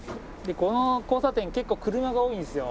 この交差点結構車が多いんですよ。